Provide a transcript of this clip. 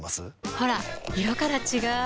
ほら色から違う！